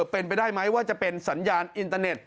เป็นไปได้ไหมว่าจะเป็นสัญญาณอินเตอร์เน็ต